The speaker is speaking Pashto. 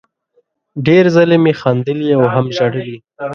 ډېر ځلې مې خندلي او هم ژړلي